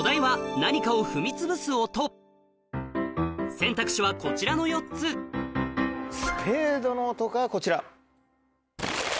選択肢はこちらの４つスペードの音がこちら。